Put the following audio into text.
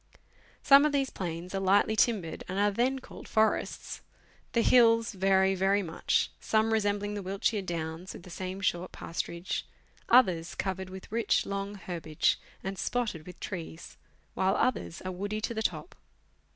Some of these plains are lightly timbered, and are then called forests. The hills vary very much, some resembling the Wiltshire downs, with the same short pasturage; others covered with rich, long herbage, and spotted with trees ; while others are woody to the top.